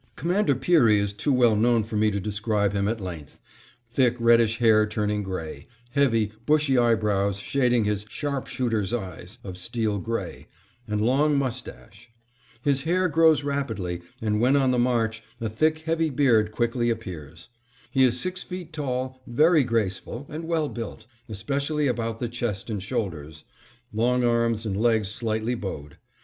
Commander Peary is too well known for me to describe him at length; thick reddish hair turning gray; heavy, bushy eyebrows shading his "sharpshooter's eyes" of steel gray, and long mustache. His hair grows rapidly and, when on the march, a thick heavy beard quickly appears. He is six feet tall, very graceful, and well built, especially about the chest and shoulders; long arms, and legs slightly bowed.